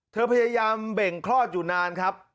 เธอพยายามเบ่งคลอดอยู่นานครับ